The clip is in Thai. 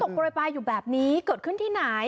ฝนตกไปอยู่แบบนี้เกิดขึ้นที่ไหน